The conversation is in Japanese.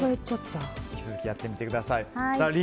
引き続きやってみてください。